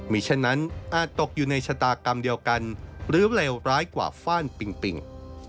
มีเช่นนั้นอาจตกอยู่ในชะตากรรมเดียวกันหรือเลวร้ายกว่าฟ่านปิงปิง